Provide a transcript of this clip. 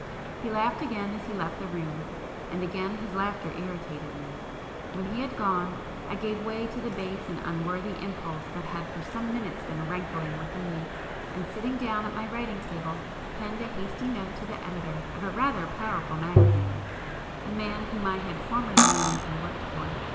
He laughed again as he left the room,—and again his laughter irritated me. When he had gone, I gave way to the base and unworthy impulse that had for some minutes been [p 177] rankling within me, and sitting down at my writing table, penned a hasty note to the editor of a rather powerful magazine, a man whom I had formerly known and worked for.